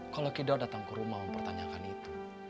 kalau kidol datang ke rumah mempertanyakan itu